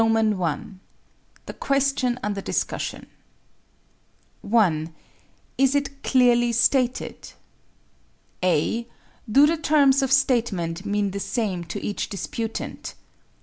THE QUESTION UNDER DISCUSSION 1. Is it clearly stated? (a) Do the terms of statement mean the same to each disputant?